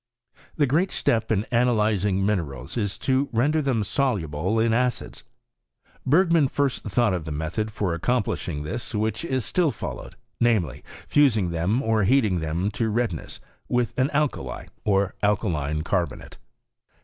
The great step in analyzing minerals is to render them soluble in acids. Bergman first thought of the method for accomplishing this which is still followed, namely^ fusing them or heating them to redness with an alkali or alkaline carbonate.